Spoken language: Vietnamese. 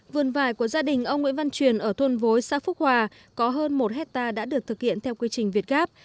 vườn vải của gia đình ông nguyễn văn truyền ở thôn vối xã phúc hòa có hơn một hectare đã được thực hiện theo quy trình việt gáp